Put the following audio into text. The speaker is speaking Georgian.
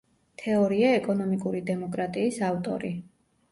თეორია „ეკონომიკური დემოკრატიის“ ავტორი.